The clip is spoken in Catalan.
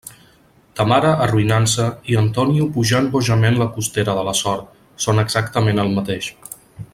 Ta mare arruïnant-se i Antonio pujant bojament la costera de la sort, són exactament el mateix.